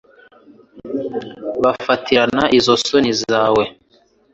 bafatirana izo soni zawe